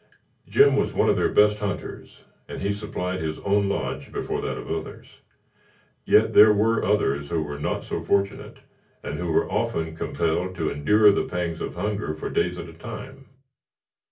Jim was one of their best hunters and he supplied his own lodge before that of others. Yet, there were others who were not so fortunate, and who were often compelled to endure the pangs of hunger for days at a time.